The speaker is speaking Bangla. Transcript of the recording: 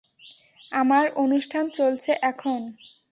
আমার অনুষ্ঠান চলছে এখন!